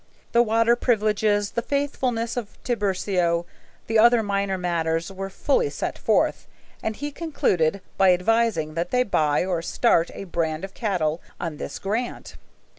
The water privileges, the faithfulness of Tiburcio, and other minor matters were fully set forth, and he concluded by advising that they buy or start a brand of cattle on this grant.